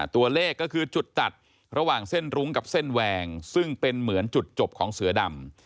ตัวเลขก็คือจุดตัดระหว่างเส้นรุ้งกับเส้นแวงซึ่งเป็นเหมือนจุดจบของเสือดำ